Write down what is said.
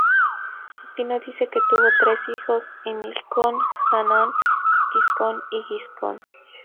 Justino dice que tuvo tres hijos: Himilcón, Hannón Giscón y Giscón.